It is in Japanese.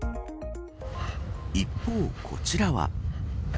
一方、こちらは。